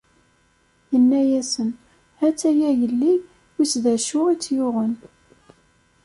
Yenna-asen: "Ha-tt-a yelli wiss d acu i tt-yuɣen."